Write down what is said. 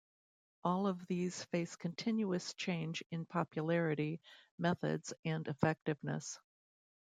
All of these face continuous change in popularity, methods and effectiveness.